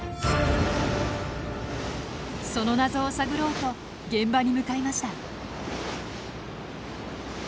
その謎を探ろうと現場に向かいました。